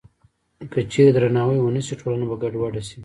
که چېرې درناوی ونه شي، ټولنه به ګډوډه شي.